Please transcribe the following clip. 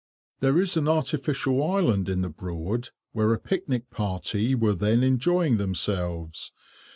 There is an artificial island in the Broad, where a picnic party were then enjoying themselves.